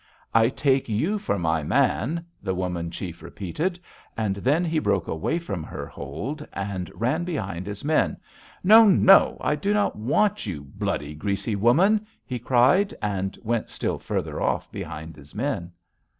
"'I take you for my man,' the woman chief repeated; and then he broke away from her hold and ran behind his men: 'No! No! I do not want you, bloody, greasy woman,' he cried, and went still farther off behind his men.